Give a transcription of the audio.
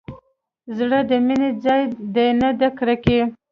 زړه د مينې ځاى دى نه د کرکې.